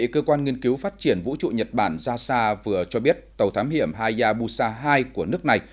cơ quan ngân cứu phát triển vũ trụ nhật bản jasa vừa cho biết tàu thám hiểm hayabusa hai của nước này